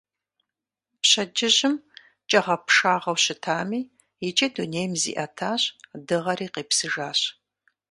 Пщэдджыжьым кӀагъэпшагъэу щытами, иджы дунейм зиӀэтащ, дыгъэри къепсыжащ.